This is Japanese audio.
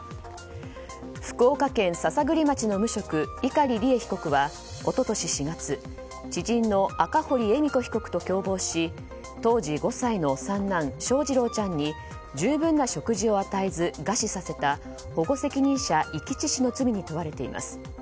福岡県篠栗町の無職碇利恵被告は一昨年４月知人の赤堀恵美子被告と共謀し当時５歳の三男・翔士郎ちゃんに十分な食事を与えず餓死させた保護責任者遺棄致死の罪に問われています。